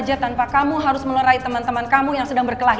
ini malah diam aja tanpa kamu harus meluarai teman teman kamu yang sedang berkelahi